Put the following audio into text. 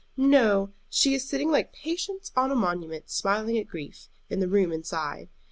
"No; she is sitting like Patience on a monument, smiling at grief, in the room inside.